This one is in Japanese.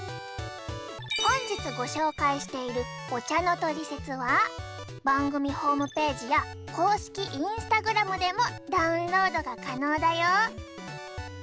本日ご紹介しているお茶のトリセツは番組ホームページや公式インスタグラムでもダウンロードが可能だよ。